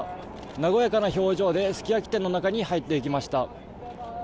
和やかな表情ですき焼き店の中に入っていきました。